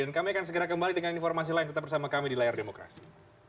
dan kami akan segera kembali dengan informasi lain tetap bersama kami di layar demokrasi